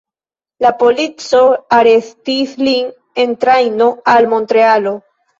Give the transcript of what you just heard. La polico arestis lin en trajno al Montrealo.